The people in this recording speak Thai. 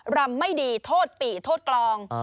รำไม่ดีโทษปี่โทษกลอง